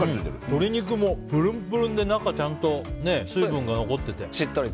鶏肉もプルンプルンで中、しっかりと水分が残ってて。